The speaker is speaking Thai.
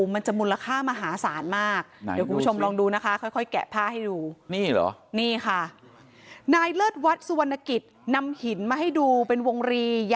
เพชรหรือหรอ